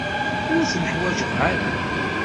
Ur ten-ḥwajeɣ ara.